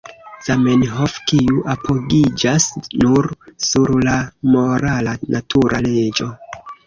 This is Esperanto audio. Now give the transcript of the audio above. Zamenhof, kiu apogiĝas nur sur la morala natura leĝo.